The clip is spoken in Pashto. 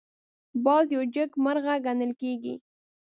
باز یو جګمرغه ګڼل کېږي